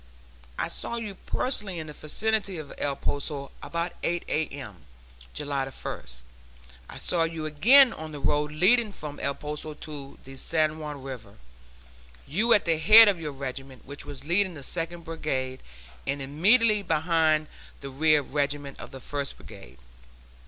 I saw you personally in the vicinity of El Poso, about 8 A.M., July 1st. I saw you again on the road leading from El Poso to the San Juan River; you were at the head of your regiment, which was leading the Second Brigade, and immediately behind the rear regiment of the First Brigade.